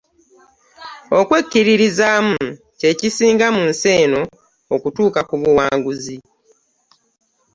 Okwekkiririzaamu kye kisinga mu nsi eno okutuuka ku buwanguzi.